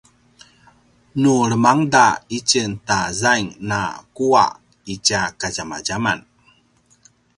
nu lemangda itjen ta zaing na kuwa itja kadjamadjaman